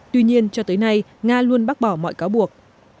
tuy nhiên cho tới nay nga luôn bác bỏ mọi cáo buộc